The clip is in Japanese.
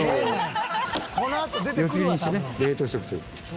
このあと出てくるわ多分。